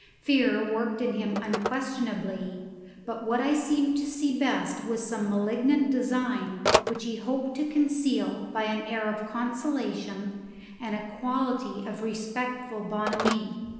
Fear worked in him unquestionably, but what I seemed to see best was some malignant design which he hoped to conceal by an air of conciliation and a quality of respectful bonhomie.